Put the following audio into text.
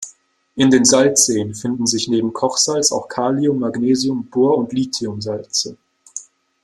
In den Salzseen finden sich neben Kochsalz auch Kalium-, Magnesium-, Bor- und Lithium-Salze.